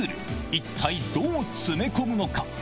一体どう詰め込むのか？